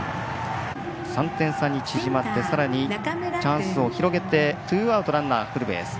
３点差に縮まってさらにチャンスを広げてツーアウト、ランナーフルベース。